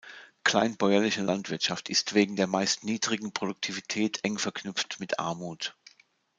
Kleinbäuerliche Landwirtschaft ist wegen der meist niedrigen Produktivität eng verknüpft mit Armut.